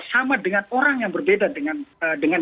sama dengan orang yang berbeda dengan